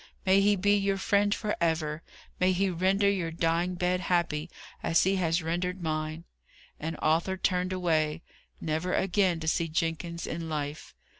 "May He be your friend for ever! May He render your dying bed happy, as He has rendered mine!" And Arthur turned away never again to see Jenkins in life.